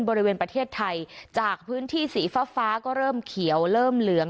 บริเวณประเทศไทยจากพื้นที่สีฟ้าฟ้าก็เริ่มเขียวเริ่มเหลือง